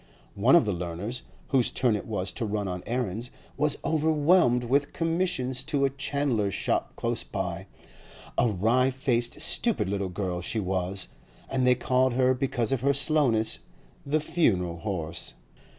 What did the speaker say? One of the learners, whose turn it was to run on errands, was overwhelmed with commissions to a chandler's shop close by; a wry faced, stupid little girl she was, and they called her, because of her slowness, the 'funeral horse.